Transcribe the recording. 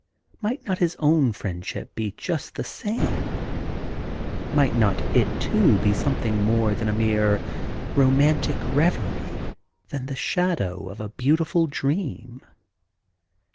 Might not 29 THE GARDEN GOD his own friendship be just the same ?... Might not it, too, be something more than a mere romantic reverie, than the shadow of a beautiful dream